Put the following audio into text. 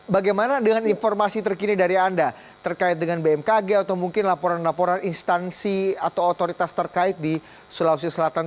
bagaimana dengan informasi terkini dari anda terkait dengan bmkg atau mungkin laporan laporan instansi atau otoritas terkait di sulawesi selatan